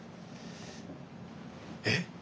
えっ！